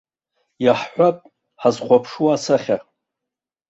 Иаҳҳәап, ҳазхәаԥшуа асахьа.